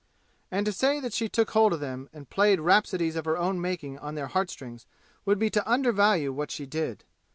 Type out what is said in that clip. And to say that she took hold of them and played rhapsodies of her own making on their heart strings would be to undervalue what she did.